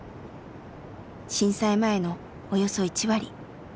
震災前のおよそ１割１，９００